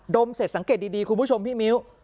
มเสร็จสังเกตดีคุณผู้ชมพี่มิ้ว